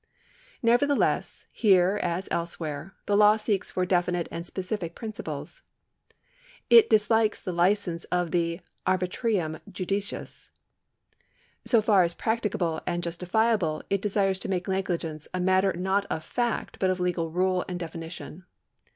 Nevertheless, here as elsewhere, the law seeks for definite and specific principles. It dislikes the licence of the arbitrmm judicis. So far as practicable and justifiable it desires to make negligence a matter not of fact but of legal rule and definition.